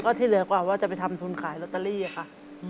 ก็ที่เหลือกว่าว่าจะไปทำทุนขายลอตเตอรี่ค่ะ